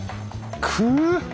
くっ。